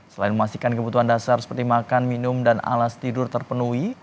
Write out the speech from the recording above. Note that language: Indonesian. selain memastikan kebutuhan dasar seperti makan minum dan alas tidur terpenuhi